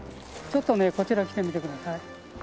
ちょっとねこちら来てみてください。